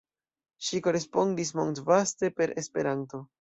Ŝi korespondis mondvaste per Esperanto.